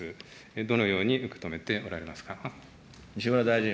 どのように受け止めておられますか。